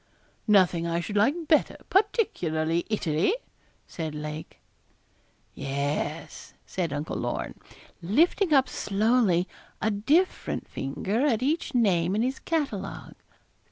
'Nothing I should like better; particularly Italy,' said Lake. 'Yes,' said Uncle Lorne, lifting up slowly a different finger at each name in his catalogue.